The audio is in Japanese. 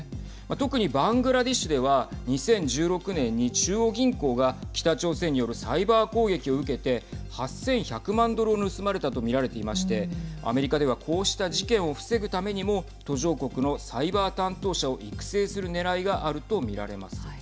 特にバングラデシュでは２０１６年に中央銀行が北朝鮮によるサイバー攻撃を受けて８１００万ドルを盗まれたと見られていましてアメリカではこうした事件を防ぐためにも途上国のサイバー担当者を育成するねらいがあると見られます。